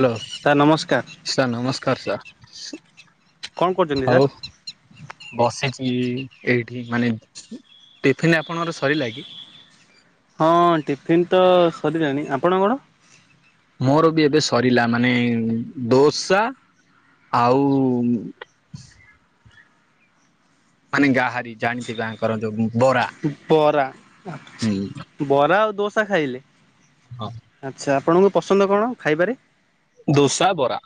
Hello sir ନମସ୍କାର sir ନମସ୍କାର sir. କଣ କରୁଛନ୍ତି ସାର୍? ହଉ ବସିଛି ଇଁ ଏଇଠି ମାନେ ଟିଫିନ୍ ଆପଣଙ୍କର ସରିଲା କି? ହଁ ଟିଫିିନ୍ ତ ସରିିଲାଣି। ଆପଣଙ୍କର? ମୋର ବି ଏବେ ସରିଲା ମାନେ ଦୋସା ଆଉ ମାନେ ଗାହାରି ଜାଣିଥିବେ ଆଙ୍କର ଯୋଉ ଉଁ ଉଁ ବରା ହୁଁ ଆଚ୍ଛା। ବରା ଆଉ ଦୋସା ଖାଇଲେ? ଆଚ୍ଛା ଆପଣଙ୍କୁ ପସନ୍ଦ କଣ ଖାଇବାରେ? ଦୋସା, ବରା।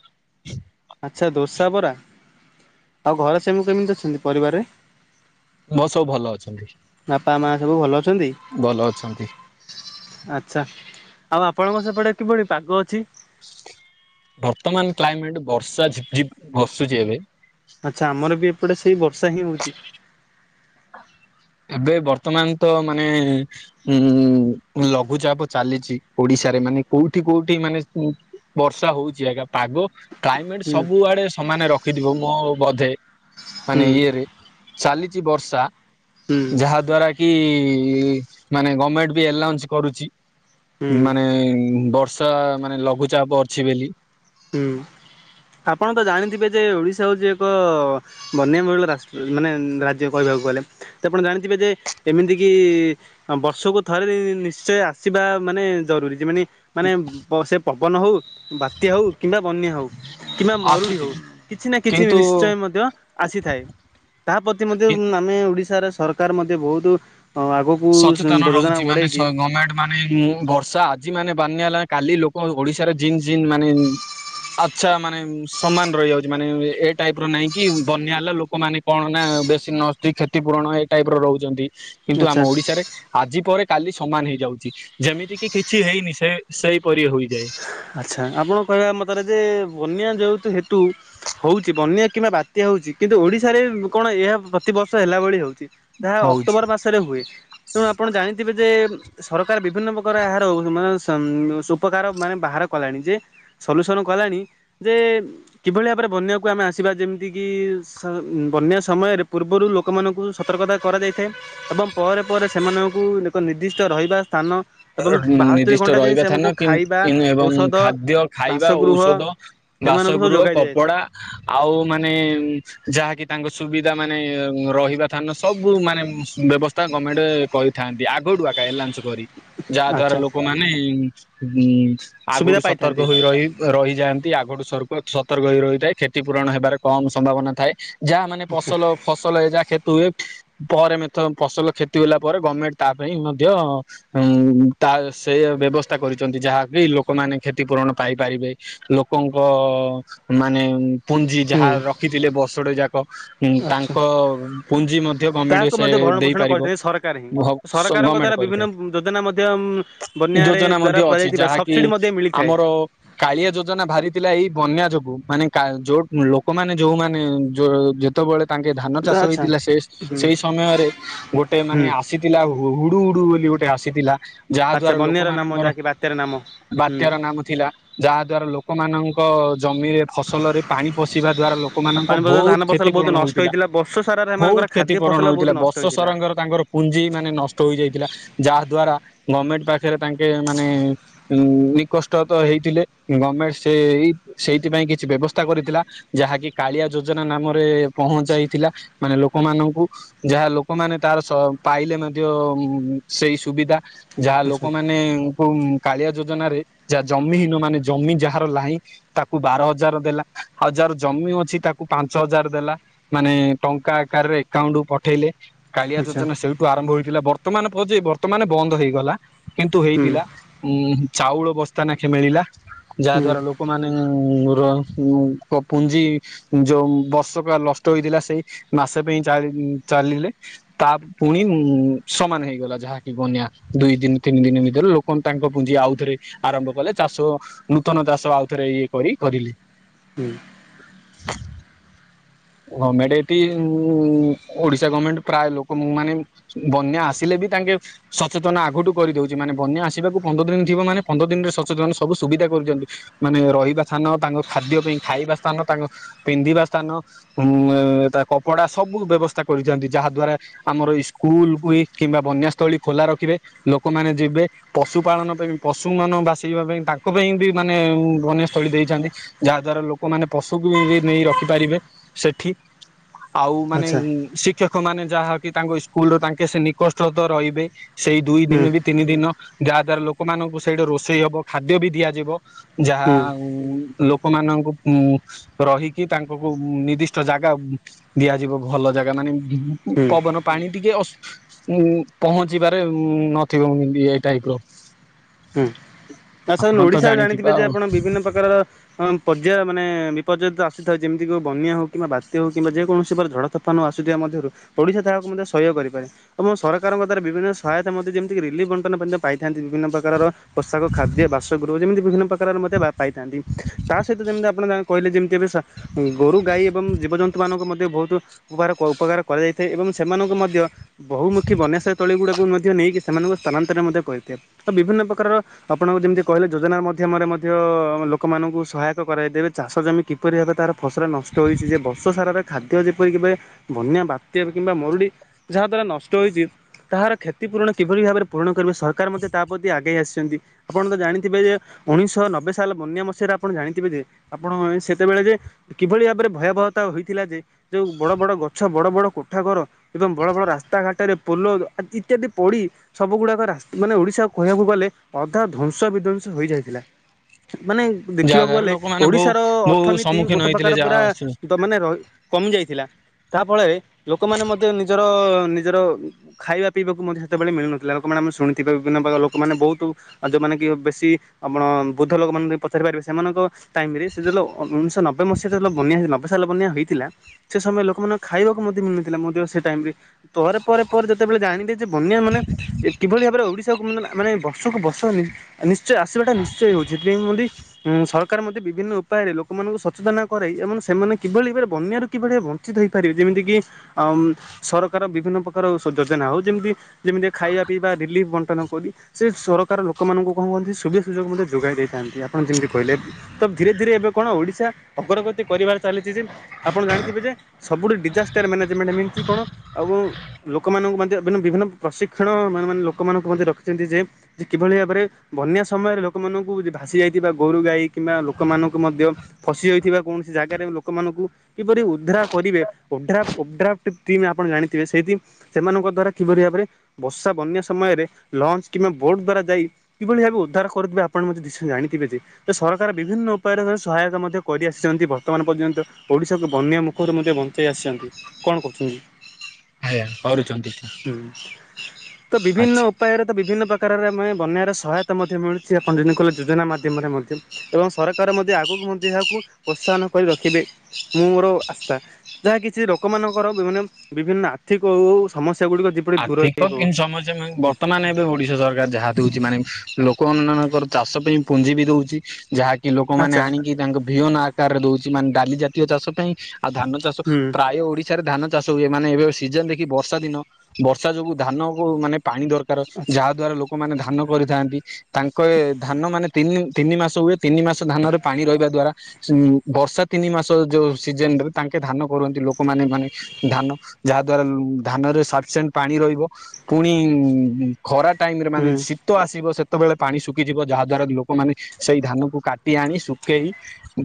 ଆଚ୍ଛା ଦୋସା, ବରା। ଆଉ ଘରେ ସେମୁ କେମିତି ଅଛନ୍ତି ପରିବାରରେ। ମୋ ସବୁ ଭଲ ଅଛନ୍ତି। ବାପା ମା ସବୁ ଭଲ ଅଛନ୍ତି? ଭଲ ଅଛନ୍ତି। ଆଚ୍ଛା ଆଉ ଆପଣଙ୍କ ସେପଟେ କିଭଳି ପାଗ ଅଛି? ବର୍ତ୍ତମାନ କ୍ଲାଇମେଟ ବର୍ଷା ଝିପି ଝିପି ବର୍ଷୁଚି ଏଵେ। ଆଚ୍ଛା ଆମର ବି ଏପଟେ ସେଇ ବର୍ଷା ହିଁ ହଉଛି। ଅ ଏବେ ବର୍ତ୍ତମାନ ତ ମାନେ ଉଁ ଲଘୁଚାପ ଚାଲିଛି ଓଡିଶା। ସାରେ ମାନେ କୋଉଠି କୋଉଠି ମାନେ ବର୍ଷା ହଉଛି ଆଜ୍ଞା ପାଗ। କ୍ଲାଇମେଟ ହୁଁ ସବୁଆଡେ ସମାନେ ରଖିଥିବ ମୋ ବଧେ ହୁଁ ମାନେ ଇଏରେ। ଚାଲିଛି ବର୍ଷା ହୁଁ ଯାହା ଦ୍ଵାରା କି ମାନେ ଗମେଣ୍ଟ ବି ଆଉସ କରୁଛି ହୁଁ ମାନେ ବଷ ବର୍ଷା ମାନେ ଲଘୁଚାପ ଅଛି ବୋଲି। ହୁଁ। ଆପଣ ତ ଜାଣିଥିବେ ଯେ ଓଡିଶା ହଉଛି ଏକ ବନ୍ୟାମହିଳ ରା ମାନେ ରାଜ୍ୟ କହିବା। ଆପଣ ଜାଣିଥିବେ ଯେ ଏମିତି କି ବର୍ଷକୁ ଥରେ ନି୍ଚୟ ଆସିବା। ମାନେ ଜରୁରୀ ଯେ ମାନ ମାନେ ସେ ପବନ ହଉ ବାତ୍ୟା ହଉ କିମ୍ବା ବନ୍ୟା ହଉ କିମ୍ବା ମରୁଡି ଆସୁଛି ହଉ କିଛି ନା କିଛି କିନ୍ତୁ ନିଶ୍ଚୟ ମଧ୍ୟ ଆସିଥାଏ। ତା ପ୍ରତି ମଧ୍ୟ ଆମେ ଓଡିଶାର ସରକାର ମଧ୍ୟ ବହୁତ ଆଗକୁ ସଚେତନ ଯୋଜନା ରହୁଛି ମାନେ ବଢ଼େଇକି ଗଣମେଣ୍ଟ ମାନେ ମୁଁ ବର୍ଷା ଆଜି ମାନେ ବାନି ହେଲା କାଲି ଲୋକ ଓଡିଶାର ଜିନ୍ ଜିନ ମାନେ ଆଚ୍ଛା ମାନେ ସମାନ ରହିଯାଉଛି ମାନେ ଏ ଟାଇପ ର ନାଇଁ କି ବନ୍ୟା ହେଲା ଲୋକମାନୋନେ କଣ ନା ବେଶୀ ନଦୀ କ୍ଷତିପୂରଣ ଏଇ ଟାଇପ ରହୁଛନ୍ତି। କିନ୍ତୁ ଆମ ଆଚ୍ଛା। ଓଡିଶାରେ ଆଜି ପରେ କାଲି ସମାନ ହେଇଯାଉଛି ଯେମିତି କିି କିଛି ହେଇନି ସେ ସେଇପରି ହୋଇଯାଏ। ଆଚ୍ଛା ଆପଣଙ୍କ କହିବା ମତାରେ ଯେ ବନ୍ୟା ଯେହେତୁ ହେତୁ ହଉଛି ବନ୍ୟା କିମ୍ବା ବାତ୍ୟା ହଉଛି କିନ୍ତୁ ଓଡିଶାରେ କଣ ଏହା ପ୍ରତିବର୍ଷ ହେଲା ଭଳି ହଉଛି। ଯାହା ହଉଛି। ଅକ୍ଟୋବର ମାସରେ ହୁଏ ତେଣୁ ଆପଣ ଜାଣିଥିବେ ଯେ ସରକାର ବିଭିନ୍ନ ପ୍ରକାର ଏହାରାନ ସୁ ଉପକାର ମାନେ ବାହାର କଲାଣି ଯେ ସଲୁସନ କଲାଣି ଯେ କିଭଳି ଭାବରେ ବନ୍ୟାକୁ ଆମେ ଆସିବା ଯେମିତି କି [unintelligible] ବନ୍ୟା ସମୟରେ ପୂର୍ବରୁ ଲୋକମାନଙ୍କୁ ସତର୍କତା କରାଯାଇଥାଏ ଏବଂ ପରେ ପରେ ସେମାନଙ୍କୁ ଏକ ନିର୍ଦ୍ଦିଷ୍ଟ ରହିବା ସ୍ଥାନ। ଏବଂ ବାସ୍ତରି ନିର୍ଦ୍ଦିଷ୍ଟ ଘଣ୍ଟା ଯାଏଁ ରହିବା ସେମାନଙ୍କୁ ଥାନ କି ଖାଇବା କି ଏବଂ ଔଷଧ ଖାଦ୍ୟ ଖାଇବା ବାସଗୃହ ଔଷଧ ଏମାନଙ୍କୁ ସବୁ ବାସଗୃହ ଯୋଗାଇ ଦିଆଯାଇଥାଏ। କପଡ଼ା ଆଉ ମାନେ ଯାହାକି ତାଙ୍କ ସୁବିଧା ମାନେ ରହିବା ଧାନ ସବୁ ମାନେ ବ୍ୟବସ୍ଥା ଗମେଣ୍ଟ କରିଥାନ୍ତି ଆଗଠୁଆନ୍ସ କରି- ଯାହା ଦ୍ଵାରା ଆଚ୍ଛା। ଲୋକମାନେ ଉ ସୁବିଧା ଆଗରୁୁ ପାଇଥାନ୍ତି। ସତର୍କ ହୋଇ ରହି ରହିଯାଆନ୍ତି ଆଗରୁୁ ସର୍ ସତର୍କ ହୋଇ ରହିଥାଏ କ୍ଷତି ପୂରଣ ହେବାର କମ ସମ୍ଭାବନା ଥାଏ ଯାହା ମାନେ ଫସଲ ଫସଲ ଯାହା ହୁଏ ପରେ ମ ଫସଲ କ୍ଷତି ଗଲା ପରେ ଗଭର୍ଣ୍ଣମେଣ୍ଟ ତା ପାଇଁ ମଧ୍ୟ ଉ ତା ସେ ବ୍ୟବସ୍ଥା କରିଛନ୍ତି ଯାହାକି ଲୋକମାନେ କ୍ଷତିପୂରଣ ପାଇପାରିବେ ଲୋକଙ୍କ କ ମାନେ ପୁଞ୍ଜି ଯାହା ରଖିଥିଲେ ବର୍ଷଟେ ଯା ଆଛା ମଧ୍ୟ ଗମେଣ୍ଟ ତାହାକୁ ସେ ମଧ୍ୟ ଭରଣ ପୋଷଣ ଦେଇପାରିବ। କରିଥାନ୍ତି ସରକାର ହିଁ ସରକାର ଙ୍କ ଗମେଣ୍ଟ ଦ୍ଵାରା କରିଥାଏ ବିଭିନ୍ନ ଯୋଜନା ମଧ୍ୟ ବନ୍ୟାରେ ଯୋଜନା ମଧ୍ୟ ଦ୍ଵାରା ଅଛି ପାଇଯାଇଥିବା ଯାହାକି ସବସିଡି ମଧ୍ୟ ମିଳିଥାଏ। ଆମର କାଳିଆ ଯୋଜନା ବାରି ଥିଲା ଏଇ ବନ୍ୟା ଯୋଗୁ। ମାନେ କା ଯୋଉ ଲୋକମାନେ ଯୋଉମାନେ ଯଉ ଯେତେବେଳେ ତାଙ୍କେ ଧାନ ଚାଷ ଆଚ୍ଛା। ହେଇଥିଲା ସେ ହୁଁ ସେଇ ସମୟରେ ଗୋଟେ ହୁଁ। ମାନେ ଆସିଥିଲା। ହୁଡୁ ହୁଡୁ ବୋଲି ଗୋଟେ ଆସିଥିଲା ଯାହା ଆଚ୍ଛା ଦ୍ଵାରା ବନ୍ୟାର ନାମ ଲୋକମାନାନଙ୍କର ଯାହାକି ବାତ୍ୟାର ନାମ। ହୁଁ ବାତ୍ୟାର ନାମ ଥିଲା ଯାହା ଦ୍ଵାରା ଲୋକମାନାନଙ୍କ ଜମିରେ ଫସଲରେ ପାଣି ପଶିବା ଦ୍ଵାରା ଆଉ ଲୋକମାନଙ୍କ ପାଣିପଦ ବହୁତ ଧାନ ଫସଲ କ୍ଷତି ବହୁତ ପୂରଣ ନଷ୍ଟ ହଉଥିଲା ହେଇଥିଲା ବର୍ଷ ସାରା ବହୁତ ସେମାନଙ୍କର କ୍ଷତି ଖାଦ୍ୟ ପୂରଣ ଫସଲ ବହୁତ ହଥିଲା ନଷ୍ଟ ବର୍ଷ ହେଇଥିଲା। ସରଙ୍ଗର ତାଙ୍କର ପୁଞ୍ଜି ମାନେ ନଷ୍ଟ ହୋଇଯାଇଥିଲା ଯାହା ଦ୍ଵାରା ଗମେଟ୍ ପାଖେରେ ତାଙ୍କେ ମାନେ ଉଁ ନିକଷ୍ଟ ତ ହେଇଥିଲେ ଗମେଟ୍ ସେଇ ସେଇଥିପାଇଁ କିଛି ବ୍ୟବସ୍ଥା କରିଥିଲା ଯାହାକି କାଳିଆ ଯୋଜନା ନାମରେ ପହଞ୍ଚାଇଥିଲା ମାନେ ଲୋ ଲୋକମାନଙ୍କୁ ଯାହା ଲୋକମାନେ ତାର ସ ପାଇଲେ ମଧ୍ୟ ସେଇ ସୁବିଧା। ଯାହା ଆଚ୍ଛା ଲୋକମାନେଙ୍କୁ କାଳିଆ ଯୋ ଯନାରେ ଯାହା ଜମିହୀନ ମାନେ ଜମି ଯାହାର ଲାହିଁ ତାକୁ ବାର ହଜାର ଦେଲା ଆଉ ଯାହାର ଜମି ଏ ଅଛି ତାକୁ ପାଞ୍ଚ ହଜାର ଦେଲା ମାନେ ଟଙ୍କା ଆକାରରେ ଏକାଉଣ୍ଟୁ ପଠେଇଲେ। କାଳିଆ ଆଚ୍ଛା ଯୋଜନା ସେଇଠୁ ଆରମ୍ଭ ହୋଇଥିଲା ବର୍ତ୍ତମାନ ପ ଯେ ବର୍ତ୍ତମାନ ବନ୍ଦ ହେଇଗଲା। କିନ୍ତୁ ହୁଁ ହେଇଥିଲା ଉଁ ଚାଉଳ ବସ୍ତା ନାଖେ ମିଳିଲା ଯାହା ହୁଁ ଦ୍ଵାରା ଲୋକମାନେ ଉଁ ର ଉଁ ପ ପୁଞ୍ଜି ଯୋଉ ବର୍ଷକ ଲଷ୍ଟ ହୋଇଥିଲା ସେଇ ମାସେ ଇଁ ଚାଳ ଚାଲିଲେ ତା ପୁଣି ଉଁ ସମାନ ହେଇଗଲା ଯାହାକି ବନ୍ୟା ଦୁଇ ଦିନ୍ ତିନି ଦିନ୍ ଭିତରେ ଲୋକ ତାଙ୍କ ପୁଞ୍ଜି ଆଉ ଥରେ ଆରମ୍ଭ କଲେ ଚାଷ ନୂତନ ଚାଷ ଆଉ ଥରେ ଏ ଇଏ କରି ହରିଲେ। ହୁଁ ଗମେଟ୍ ଏଠି ଉଁ ଓଡ଼ିଶା ଗମେଣ୍ଟ୍ ପ୍ରାୟ ଲୋକ ମାନେ ବନ୍ୟା ଆସିଲେ ବି ତାଙ୍କେ ସଚେତନ ଆଗଠୁ କରିଦଉଚି ମାନେ ବନ୍ୟା ଆସିବାକୁ ପନ୍ଦର ଦିନ ଥିବ ମାନେ ପନ୍ଦର ଦିନରେ ସଚେତନ ସବୁ ସୁବି ଡେ କରୁଚନ୍ତି ମାନେ ରହିବା ସ୍ଥାନ ତାଙ୍କ ଖାଦ୍ୟ ପାଇଁ ଖାଇବା ସ୍ଥାନ ତାଙ୍କ ପିନ୍ଧିବା ସ୍ଥାନ ଉଁ ଏ ତା କପଡ଼ା ସବୁ ବ୍ୟବସ୍ଥା କରିଛନ୍ତି ଯାହା ଦ୍ଵାରା ଆମର ଏଇ ସ୍କୁଲ୍ କୁ ଏଇ କିମ୍ବା ବ ଅନ୍ୟା ସ୍ଥଳୀ ଖୋଲା ରଖିବେ ଲୋକମାନେ ଯିବେ ପଶୁ ପାାଳନ ପାଇଁ ବି ପଶୁ ମାନ ବାସିବା ପାଇଁ ତାଙ୍କ ପାଇଁ ଇଁ ବି ମାନେ ବନ୍ୟାସ୍ଥଳୀ ଦେଇଛନ୍ତି ଯାହା ଦ୍ଵାରା ଲୋକମାନେ ପଶୁକୁ ବି ନେଇ ରଖି ପାରିବେ। ସେଠି ଆଉ ମାନେ ଆଚ୍ଛା ଶିକ୍ଷ ହ ମାନେ ଯାହା କି ତାଙ୍କ ସ୍କୁଲ୍ ତାଙ୍କେ ସେ ନିକଷ୍ଠଟ ରହିବେ ସେଇ ଦୁଇ ଦିନ ହୁଁ କି ତିନି ଦିନ। ଯାହା ଦ୍ଵାରା ଲୋକମାନଙ୍କୁ ସେଇଠି ରୋଷେଇ ହବ ଖାଦ୍ୟ ବି ଦିଆଯିବ ଯାହା ହୁଁ ଉ ଲୋକମାନଙ୍କୁ ଉଁ ରହିକି ତାଙ୍କକୁ ନିର୍ଦ୍ଧି ତ ଜାଗା ଦିଆଯିବ ଭଲ ଜାଗା ମାନେ ଉଁ ହୁଁ ପବନ ପାଣି ଟିକେ ଅସ୍ ଉଁ ପହଞ୍ଚିିବାରେ ନଥିବ ଏଇ ଟାଇପ୍ ର। ହୁଁ। ଆ ସାଉନ୍ ଆପଣ ତ ଓଡ଼ିଶା ଜାଣିଥିବେ ଯେ ଆଉ ଆପଣ ବିଭିନ୍ନ ପକାରର ଅଁ ପର୍ଯ୍ୟାୟ ମାନେ ପର୍ଯ୍ୟନ୍ତ ଆସୁଥାଉ ଯେମିତି କୋଉ ବନ୍ୟା ହଉ କିମ୍ବା ବାତ୍ୟା ହଉ କିମ୍ବା ଯେକୌଣସି ପରା ଝଡ଼ ତୋଫାନ ଆସୁଥିବା ମଧ୍ୟରୁ ଓଡ଼ିଶା ତାହା ଉଁ ତା ସହ୍ୟ କରିପାରେ ଏବଂ ସରକାରଙ୍କ ଦ୍ଵାରା ବିଭିନ୍ନ ସହାୟତା ମଧ୍ୟ ଯେମିତି କି ରିଲିଫ୍ ବଣ୍ଟନ [unintelligible] ପାଇଥାନ୍ତି ବିଭିନ୍ନ ପ୍ରକାରର ଅ ପୋଷାକ ଖାଦ୍ୟ ବାସଗୃହ ଯେମିତି ବିଭିନ୍ନ ପ୍ରକାରର ମଧ୍ୟ ବା ପାଇଥାନ୍ତି ତା ସହିତ ଯେମିତି ଆପଣ ଯା କହିଲେ ଯେମିତି ଏବେ ସା ଗୋରୁ ଗାଈ ଏବଂ ଜୀବଜନ୍ତୁ ମାନଙ୍କୁ ମଧ୍ୟ ବୋହୁତୁ ଉପହାର ଉପକାର କରାଯାଇଥାଏ ଏବଂ ସେମାନଙ୍କୁ ମଧ୍ୟ ବହୁମୁଖୀ ବନ୍ୟାଶୟ ତଳି ଗୁଡ଼ାକୁ ମଧ୍ୟ ନେଇକି ସେମାନଙ୍କୁ ସ୍ଥାନାନ୍ତର ମଧ୍ୟ କରିଥାଏ ତ ବିଭିନ୍ନ ପକାରର ଆପଣ ଆଉ ଯେମିତି କହିଲେ ଯୋଜନା ମଧ୍ୟମରେ ମଧ୍ୟ ଆମେ ଲୋକମାନଙ୍କୁ ସହାୟକ କରାଇଦେବେ ଚାଷ ଜମି କିପରି ହେବ ତାହା ଏ ଫସଲ ନଷ୍ଟ ହୋଇଛି ଯେ ବର୍ଷ ସାରାର ଖାଦ୍ୟ ଯେପରି କି ବେ ବନ୍ୟା ବାତ୍ୟା କିମ୍ବା ମରୁଡ଼ି ଯାହା ଦ୍ୱାରା ନଷ୍ଟ ହୋଇଚି ତାହାର କ୍ଷତିପୂରଣ କିଭଳି ଭାବରେ ପୂରଣ କରିବେ ସରକାର ମଧ୍ୟ ତାହା ପତି ଆଗେଇ ଆସିଛନ୍ତି। ଆପଣ ତ ଜାଣିଥିବେ ଯେ ଉଣେଇଶହ ନବେ ସାଲ ବନ୍ୟା ମସିହାରେ ଆପଣ ଜାଣିଥିବେ ଯେ ଆପଣ ସେତେବେଳେ ଯେ କିଭଳି ଭାବରେ ଭୟାବହତା ହୋଇଇଥିଲା ଯେ ଯୋଉ ବଡ଼ ବଡ଼ ଗଛ ବଡ଼ ବଡ଼ କୋଠା ଘର ଏବଂ ବଡ଼ ବଡ଼ ରାସ୍ ତାଘାଟରେ ପୋଲ ଆ ଇତ୍ୟାଦି ପଡ଼ି ସବୁ ଗୁଡ଼ାକ ରା ମାନେ ଓଡ଼ିଶାକୁ କହିବାକୁ ଗଲେ ଅ ତାହା ଧ୍ଵଂସ ବିଧ୍ଵଂସ ହୋଇଯାଇଥିଲା। ମାନେ ଯାହା ଦେଖିବାକୁ ଦ୍ଵାରା ଗଲେ ଲୋକମାନେ ବହୁ ଓଡ଼ିଶାର ବହୁ ଅଥନୀତି ସମ୍ମୁଖୀନ ଗୋଟେ ହେଇଥିଲେ ପକାର ଯାହା ପୁରା ଦ ମାନେ ର କମୁନି ଏଇଥିଲା। ତା ଫଳରେ ଲୋକମାନେ ମଧ୍ୟ ନିଜର ନିଜର ଖାଇବା ପିଇବାକୁ ମଧ୍ୟ ହେତବେଳେ ମିଳୁନଥୁଲା ଲୋକମ ଆଣେ ଆମେ ଶୁଣିଥିବା ବିଭିନ୍ନ ପକାର ଲୋକମାନେ ବହୁତୁ ଆ ଯୋଉମାନେ କି ବେଶୀ ଆପଣ ବୁଦ୍ଧ ଲୋକମାନେ ବି ପଚାରି ପାରିବେ ସେମାନଙ୍କ ଟାଇମ୍ ରେ ସେ ଯେଲ ଅ ଉଣେଇଶ ନ ବେ ମସିହା ତେଲ ବନ୍ୟା ହେଇ ନବେ ସାଲ ବନ୍ୟା ହେଇଥିଲା ସେ ସମୟ ଲୋକମାନଙ୍କୁ ଖାଇବାକୁ ମଧ୍ୟ ମିଳୁନଥିଲା ମଧ୍ୟ ସେ ଟାଇମ୍ ରେ। ପରେ ପରେ ପରେ ଯେତେବେଳେ ଜାଣିଲେ ଯେ ବନ୍ୟା ମାନେ ଏ କିଭଳି ଭାବରେ ଓଡ଼ିଶାକୁ ମନେ ମାନେ ବର୍ଷକୁ ବ ଷ ନି ନିଶ୍ଚୟ ଆସିବାଟା ନିଶ୍ଚୟ ହେଉଚି ତ୍ର ମୁଣ୍ଡି ଉଁ ସରକାର ମଧ୍ୟ ବିଭିନ୍ନ ଉପାୟରେ ଲୋକମାନଙ୍କୁ ସ ସୁଦନା କରେଇ ଏମନ ସେମାନେ କିଭଳି ଏବେରେ ବନ୍ୟାରୁ କିଭଳି ବଞ୍ଚିତ ହେଇପାରିବେ ଯେମିତି କି ଅଁ ସର କାର ବିଭିନ୍ନ ପକାର ସ ଯୋଜନା ହଉ ଯେମିତି ଯେମିତି ଖାଇବା ପିଇବା ରିଲିଫ୍ ବଣ୍ଟନ କରି ସେ ସର କାର ଲୋକମାନଙ୍କୁ କଁ କୁହନ୍ତି ସୁବିଧା ସୁଯୋଗ ମଧ୍ୟ ଯୋଗାଇ ଦେଇଥାନ୍ତି ଆପଣ ଯେମିତି କହିଲେ ତ ଧୀରେ ଧୀରେ ଏବେ କଣ ଓଡି଼ଶା ଅଗ୍ରଗତି କରିବାରେ ଚାଲିଛି ଯେ, ଆପଣ ଜାଣିଥିବେ ଯେ ସବୁଠି ଡିଜାଷ୍ଟର ମ୍ୟାନେଜମେଣ୍ଟ ମିନ୍ସ କଣ? ଆଉ ଆଉ ଲୋକମାନଙ୍କୁ ମଧ୍ୟ ବିଭିନ୍ନ ପ୍ରଶିକ୍ଷଣ, ମାନେ-ମାନେ ଲୋକମାନଙ୍କୁ ମଧ୍ୟ ରଖିଛନ୍ତି ଯେ ଯେ କିଭଳି ଭାବରେ, ବନ୍ୟା ସମୟରେ ଲୋକମାନଙ୍କୁ ଯେ ଭାସି ଯାଇଥିବା ଗୋରୁ, ଗାଈ କିମ୍ବା ଲୋକମାନଙ୍କୁ ମଧ୍ୟ ଫସି ରଇଥିବା କୌଣସି ଜାଗାରେ ଲୋକମାନଙ୍କୁ କିପରି ଉଧ୍ରା କରିବେ, ଉଡ୍ଡ୍ରାଫ୍ଟ, ଉଡ୍ଡ୍ରାଫ୍ଟ ଟିମ୍ ଆପଣ ଜାଣିଥିବେ ସେଇତି ସେମାନଙ୍କ ଦ୍ଵାରା କିଭରି ଭାବରେ ବର୍ଷା ବନ୍ୟା ସମୟରେ, ଲଞ୍ଚ୍ କିମ୍ବା ଭୋଟ୍ ଦ୍ଵାରା ଯାଇ କିଭଳି ଭାବେ ଉଦ୍ଧାର କରୁଥିବେ, ଆପଣ ମଧ୍ୟ ନିଶ୍ଚୟ ଜାଣିଥିବେ। ଯେ ସରକାର ବିଭିନ୍ନ ଉପାୟରେ ସହା ସହାୟକ ମଧ୍ୟ କରି ଆସିଛନ୍ତି ବର୍ତ୍ତମାନ ପର୍ଯ୍ୟନ୍ତ। ଓଡିଶାକୁ ବନ୍ୟା ମୁଖରୁ ମଧ୍ୟ ବଞ୍ଚେଇ ଆସିଚନ୍ତି କଣ କହୁଛନ୍ତି? ଆଜ୍ଞା କରୁଛନ୍ତି। ହୁଁ। ତ ବିଭିନ୍ନ ଆଚ୍ଛା। ଉପାୟରେ ତ ବିଭିନ୍ନ ପ୍ର କାରରେ ଆମେ ବନ୍ୟାର ସହାୟତା ମଧ୍ୟ ମିଳୁଛି ଆପଣ ଜିନକଲେ ଯୋଜନା ମାଧ୍ୟମରେ ମଧ୍ୟ ଏବଂ ସରକାର ମଧ୍ୟ ଆଗକୁ ମଧ୍ୟ ଏହାକୁ ପ୍ରୋତ୍ସାହନ କରି ରଖିବେ। ମୁଁ ମୋର ଆ- ଆର୍ଥିକ କିନ୍ତୁ ସମୟ ଯେମାନେ ହୁଁ ବର୍ତ୍ତମାନ ଏବେ ବଢ଼ି ନିଜ ସରକାର ଯାହା ଦଉଛି ମାନେ ଲୋକମାନାନଙ୍କର ଚାଷ ପାଇଁ ପୁଞ୍ଜି ବି ଦଉଛି। ଯାହାକି ଲୋକମାନେ ଆଚ୍ଛା ଆଣିକି ତାଙ୍କ ବିହନ ଆକାରରେ ଦଉଛି ମାନେ ଡାଲି ଜାତୀୟ ଚାଷ ପାଇଁ ଆଉ ଧାନ ଚାଷ ହୁଁ ପ୍ରାୟ ଓଡିଶାରେ ଧାନ ଚାଷ ହୁଏ ମାନେ ଏବେ ସିଜନ୍ ଦେଖି ବର୍ଷା ଦିନ ବର୍ଷା ଯୋଗୁ ଧାନ କୁ ମାନେ ପାଣି ଦରକାର ଆଚ୍ଛା ଯାହା ଦ୍ଵାରା ଲୋକମାନେ ଧାନ ଧାନ କରିଥାଆନ୍ତି। ତାଙ୍କ ଏ ଧାନ ମାନେ ତିନି ତିନି ମାସ ହୁଏ ତିନି ମାସ ଧାନରେ ପାଣି ରହିବା ଦ୍ଵାରା ସିମିନ୍ ବର୍ଷା ତିନି ମାସ ଯୋଉ ସିଜନ୍ ରେ ତାଙ୍କେ ଧାନ କରନ୍ତି ଲୋକମାନେ, ମାନେ ଧାନ ଯାହାଦ୍ୱାରା ଲୁ ଧାନରେ ସା ସେନ୍ ପାଣି ରହିବ ପୁଣି ଉଁ ଖରା ଟାଇମ୍ ରେ ମାନେ ହୁଁ ଶୀତ ଆସିବ ସେ ତବେଳେ ପାଣି ଶୁଖିଯିବ ଯାହା ଦ୍ଵାରା ଲୋକମାନେ ସେଇ ଧାନ କୁ କାଟି ଆଣି ଶୁକେଇ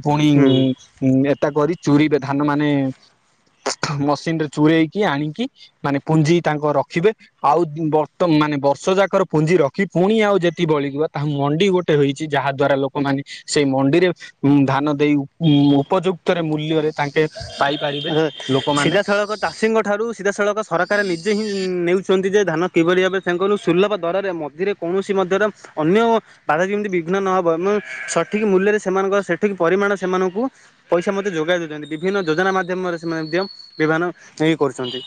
ପୁଣି ହୁଁ। ଉଁ, ଉଁ, ଏ ତାକୁ ଆଜି ଚୁରିବେ ଧାନ ମାନେ ମସିନ୍ ରେ ଚୁରେଇକି ଆଣିକି ମାନେ ପୁଞ୍ଜି ତାଙ୍କ ରଖିବେ। ଆଉ ବର୍ତ୍ତ ମାନେ ବର୍ଷ ଯାକର ପୁଞ୍ଜି ରଖି ପୁଣି ଆଉ ଯେତି ବଳିବ ତାହା ମଣ୍ଡି ଗୋଟେ ହୋଇଛି ଯାହା ଦ୍ଵାରା ଲୋକମାନେ ସେଇ ମଣ୍ଡିରେ ଧାନ ଦେଇ ଉ ଉପ ଯୁକ୍ତରେ ମୂଲ୍ୟରେ ତାଙ୍କ ରେ ସିଧାସଳଖ ତାଷୀଙ୍କ ଠାରୁ ସିଧାସଳଖ ସରକାର ତାର ନିଜେ ହିଁ ନେଉଛନ୍ତି। ନିଯେ ଧାନ କିଭରି ଭାବେ ତାଙ୍କୁରୁ ସୁଲଭ ଦରରେ ମଝିରେ କୌଣସି ମଧ୍ୟରେ ଅନ୍ୟ ବାଧା ଯେମିତି ବିଘ୍ନ ନହବ ଏବଂ ସଠିକ୍ ମୂଲ୍ୟରେ ସେମାନଙ୍କର ସେଠିକ୍ ପରିମାଣ ସେମାନଙ୍କୁ ପଇସା ମଧ୍ୟ ଯୋଗାଇ ଦଉଛନ୍ତି। ବିଭିନ୍ନ ଯୋଜନା ମାଧ୍ୟମରେ ସେମାନେ ମଧ୍ୟ ବିଭାନ ହେଇ କରୁଛନ୍ତି।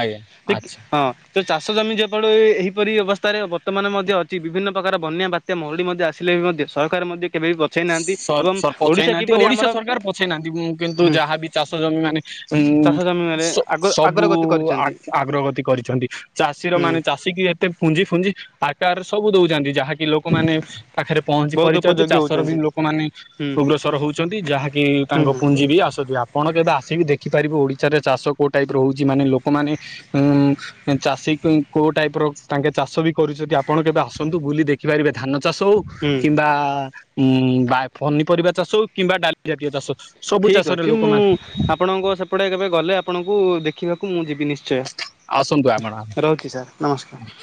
ଆଜ୍ଞା ଟିକ୍ ଆଚ୍ଛା। ହଁ। ତ ଚାଷ ଜମି ଯେପଳୁ ଏ ଏହିପରି ଅବସ୍ଥାରେ ବର୍ତ୍ତମାନେ ମଧ୍ୟ ଅଛି ବିଭିନ୍ନ ପ୍ରକାର ବନ୍ୟା, ବାତ୍ୟା, ମରୁଡି, ମଧ୍ୟ ଆସିଲେ ବି ମଧ୍ୟ ସରକାର ମଧ୍ୟ କେବେ ବି ପଛେଇ ନାହାନ୍ତି ଏବଂ ସ ପଛେଇ ଓଡିଶା ନାହାନ୍ତି କିପରି ଓଡିଶା ଆମର ସରକାର ପଛେଇ ନାହାନ୍ତି କିନ୍ତୁ ହୁଁ ଯାହାବି ଚାଷ ଜମି ମାନେ ଉଁ ଚାଷ ଜମିରେ ସ ଆଗ ସବୁ ଆଗରେ ଗତି ଆ କରିଛନ୍ତି। ଆଗ୍ରଗତି କରି ଛନ୍ତି। ଚାଷୀର ମାନେ ହୁଁ ଚାଷୀ କି ଏତେ ପୁଞ୍ଜି ଫୁଞ୍ଜି ଆକାରରେ ସବୁ ଦଉ ପୂଜନ୍ତି, ଯାହାକି ଲୋକମାନେ ପାଖରେ ପହଞ୍ଚି ପରି ବହୁତ ଚାଲିଛି ଉପଯୋଗୀ ଚାଷ ଷର ବି ହଉଛନ୍ତି ଲୋକମାନେ ହୁଁ ଉଗ୍ରସର ହଉଛନ୍ତି ଯାହାକି ହୁଁ ତାଙ୍କ ହୁଁ ପୁଞ୍ଜି ବି ଆସତି, ଆପଣ କେବେ ଆସିକି ଦେଖି ଖିପାରିବୁ, ଓଡିଶାରେ ଚାଷ କୋଉ ଟାଇପ୍ ରେ ହଉଛି ମାନେ ଲୋକମାନେ ଉଁ ଚାଷୀ ଉଁ କୋଉ ଟାଇପ୍ ର ତାଙ୍କେ ଚାଷ ବି କରୁଛତି ଆପଣ କେବେ ଆସନ୍ତୁ ବୁଲି ଦେଖିପାରିବେ ଧାନ ଚାଷ ହଉ ହୁଁ କିମ୍ବା ଉଁ ବା ପନିପରିବା ଚାଷ ହଉ କିମ୍ବା ଡାଲି ଜାତୀୟ ଚାଷ ହଉ। ଠିକ୍ ଅଛି ମୁଁ ଆପଣଙ୍କ ସେପଟେ କେବେ ଗଲେ ଆପଣଙ୍କୁ ଦେଖିବାକୁ ମୁଁ ଯିବି ନିଶ ଆସନ୍ତୁ ଆମର ଶ୍ଚୟ ରହୁଛି ସାର୍ ନମସ୍କାର।